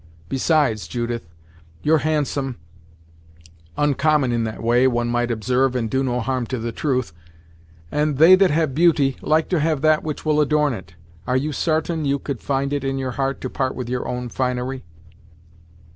Besides, Judith, you're handsome uncommon in that way, one might observe and do no harm to the truth and they that have beauty, like to have that which will adorn it. Are you sartain you could find it in your heart to part with your own finery?"